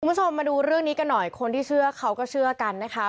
คุณผู้ชมมาดูเรื่องนี้กันหน่อยคนที่เชื่อเขาก็เชื่อกันนะคะ